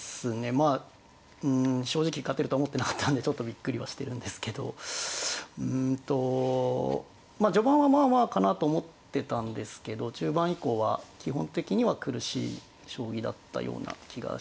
まあうん正直勝てるとは思ってなかったんでちょっとびっくりはしてるんですけどうんと序盤はまあまあかなと思ってたんですけど中盤以降は基本的には苦しい将棋だったような気がします。